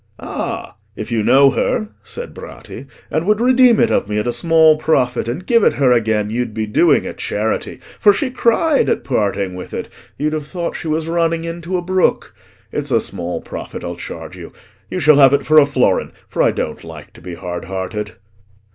"Ah! if you know her," said Bratti, "and would redeem it of me at a small profit, and give it her again, you'd be doing a charity, for she cried at parting with it—you'd have thought she was running into a brook. It's a small profit I'll charge you. You shall have it for a florin, for I don't like to be hard hearted."